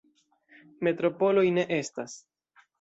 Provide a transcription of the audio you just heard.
Metropoloj ne estas.